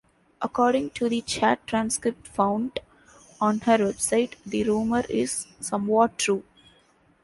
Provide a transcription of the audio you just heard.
According to the chat transcript found on her website, the rumor is "somewhat true".